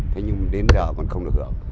thế nhưng đến giờ còn không được hưởng